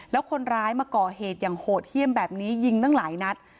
แล้วคนร้ายมาก่อเหตุอย่างโหดเยี่ยมแบบนี้ยิงตั้งหลายนัด